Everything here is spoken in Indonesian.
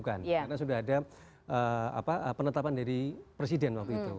karena sudah ada penetapan dari presiden waktu itu